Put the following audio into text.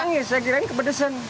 nangis saya kirain kepedesan